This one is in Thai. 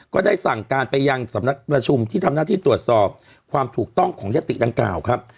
ก็ได้สั่งการไปยังสำนักประชุมที่ทำหน้าที่ตรวจสอบความถูกต้องของยติดังกล่าวครับ